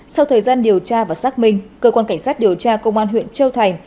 sau thời gian điều tra và xác minh cơ quan cảnh sát điều tra công an huyện châu thành